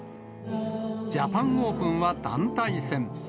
ジャパンオープンは団体戦。